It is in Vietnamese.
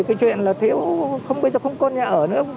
cái chuyện là thiếu không bây giờ không có nhà ở nữa